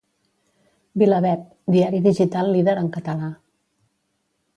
VilaWeb - Diari digital líder en català.